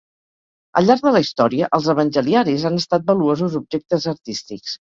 Al llarg de la història, els evangeliaris han estat valuosos objectes artístics.